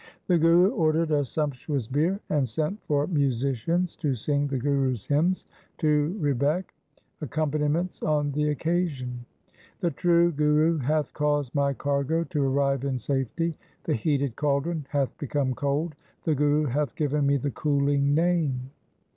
The Guru ordered a sumptuous bier and sent for musicians to sing the Gurus' hymns to rebeck, accompaniments on the occasion. The true Guru hath caused my cargo to arrive in safety. The heated caldron hath become cold ; the Guru hath given me the cooling Name.